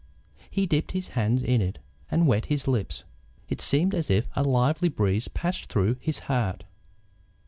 He dipped his hands in it and wet his lips. It seemed as if a lively breeze passed through his heart.